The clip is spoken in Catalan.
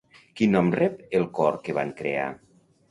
Quin nom rep el cor que van crear?